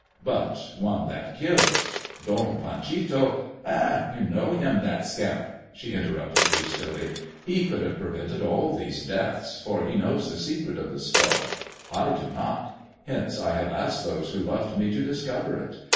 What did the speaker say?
" But one that kills. Don Panchito "'* £h I you know him, that scamp ?" she interrupted hastily: ''he could have prevented all these deaths, for he knows the secret of the skull. I do not; hence I have asked those who loved me to discover it.